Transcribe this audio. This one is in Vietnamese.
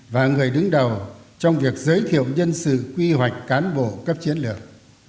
và người đứng đầu trong việc giới thiệu nhân sự quy hoạch cán bộ cấp chiến lược